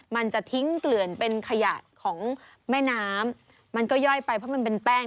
มันจะทิ้งเกลื่อนเป็นขยะของแม่น้ำมันก็ย่อยไปเพราะมันเป็นแป้ง